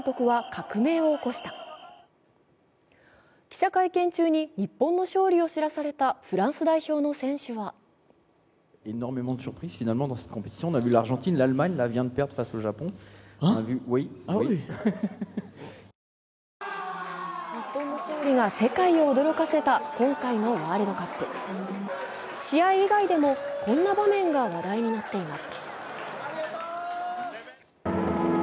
記者会見中に日本の勝利を知らされたフランス代表の選手は日本の勝利が世界を驚かせた今回のワールドカップ。試合以外でもこんな場面が話題になっています。